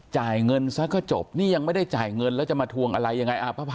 จ่ายเงินซะก็จบนี่ยังไม่ได้จ่ายเงินแล้วจะมาทวงอะไรยังไง